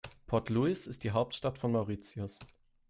Port Louis ist die Hauptstadt von Mauritius.